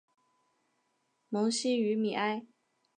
蒙希于米埃。